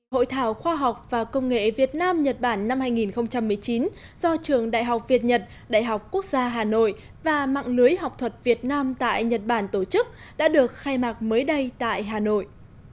hội thảo khoa học và công nghệ việt nam nhật bản năm hai nghìn một mươi chín do trường đại học việt nhật đại học quốc gia hà nội và mạng lưới học thuật việt nam tại nhật bản tổ chức đã được khai mạc mới đây tại hà nội